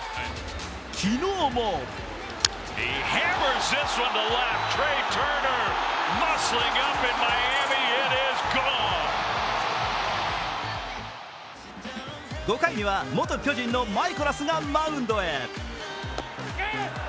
昨日も５回には元巨人のマイコラスがマウンドへ。